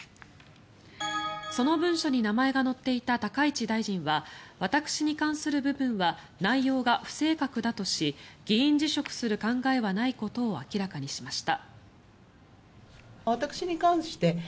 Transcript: その文書に名前が載っていた高市大臣は私に関する部分は内容が不正確だとし議員辞職する考えはないことを明らかにしました。